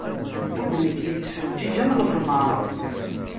Udem-is yettfeǧǧiǧ am lefnar.